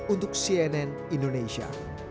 untuk cnn indonesia